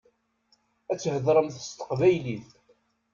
Ad theḍṛemt s teqbaylit.